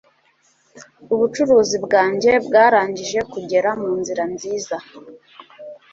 Ubucuruzi bwanjye bwarangije kugera munzira nziza.